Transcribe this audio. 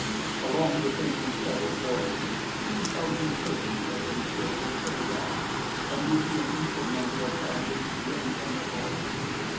Along the thinly settled borders, two thousand persons had been killed, or carried off, and nearly an equal number of families driven from their homes.